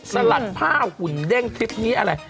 สลัดผ้าหุ่นเด้งคลิปนี้อะไร